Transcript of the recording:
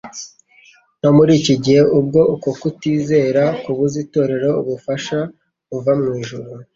No muri iki gihe uabwo uko kutizera kubuza itorero ubufasha buva mu ijuru,